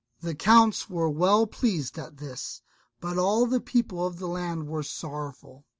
The counts were well pleased at this; but all the people of the land were sorrowful.